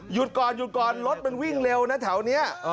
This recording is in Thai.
ก่อนหยุดก่อนรถมันวิ่งเร็วนะแถวนี้